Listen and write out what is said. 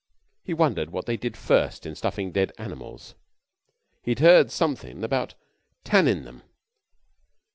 He wondered what they did first in stuffing dead animals. He'd heard something about "tannin'" them.